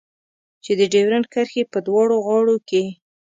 چې د ډيورنډ کرښې په دواړو غاړو کې.